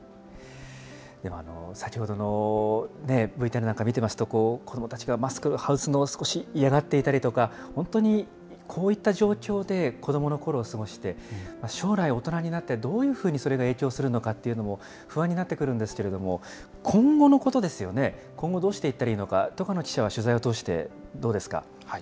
先ほどのＶＴＲなんか見てますと、子どもたちがマスク外すのを少し嫌がっていたりとか、本当にこういった状況で子どものころを過ごして、将来大人になって、どういうふうにそれが影響するのかっていうのも不安になってくるんですけれども、今後のことですよね、今後、どうしていったらいいのか、戸叶記者は取材を通してどうですか？